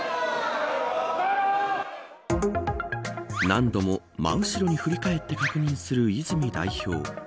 何度も真後ろに振り返って確認する泉代表。